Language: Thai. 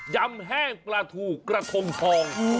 ำแห้งปลาทูกระทงทอง